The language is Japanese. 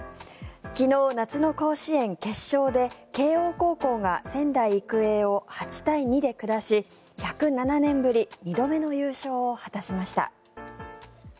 昨日、夏の甲子園決勝で慶応高校が仙台育英を８対２で下し１０７年ぶり２度目の優勝を果たしました。